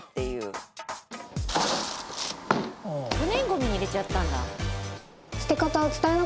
不燃ゴミに入れちゃったんだ。